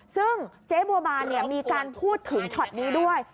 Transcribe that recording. ซึ่งเจ๊บัวบานมีการพูดถึงช็อตนี้ด้วย